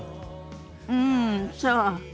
うんそう。